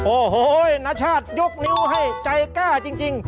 โอ้โหนชาติยกนิ้วให้ใจกล้าจริง